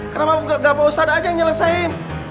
kenapa gak mau ustadz aja yang nyelesain